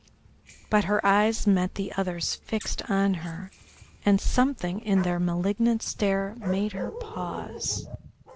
But her eyes met the other's fixed on her, and something in their malignant stare made her pause.